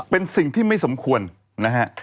เป็นสิ่งที่ไม่สมควรนะฮะ